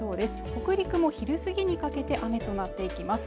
北陸も昼過ぎにかけて雨となっていきます